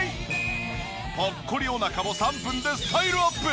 ポッコリおなかも３分でスタイルアップ！